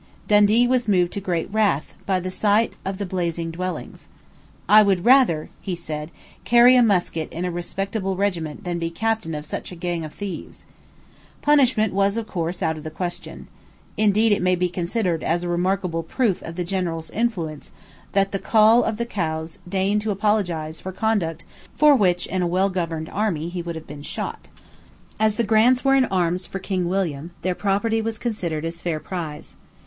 Dundee was moved to great wrath by the sight of the blazing dwellings. "I would rather," he said, "carry a musket in a respectable regiment than be captain of such a gang of thieves." Punishment was of course out of the question. Indeed it may be considered as a remarkable proof of the general's influence that Coll of the Cows deigned to apologize for conduct for which in a well governed army he would have been shot, As the Grants were in arms for King William, their property was considered as fair prize.